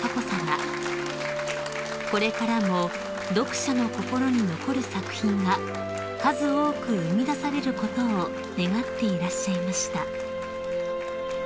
［これからも読者の心に残る作品が数多く生み出されることを願っていらっしゃいました］